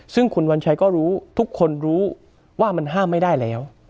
ซึ่งคุณวัญชัยก็รู้ทุกคนรู้ว่ามันห้ามไม่ได้แล้ว